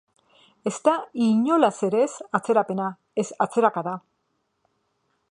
Ez da inolaz ere ez atzerapena, ez atzerakada.